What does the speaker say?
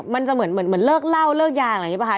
มันจะเหมือนเลิกเล่าเลิกยางอะไรอย่างนี้ป่ะ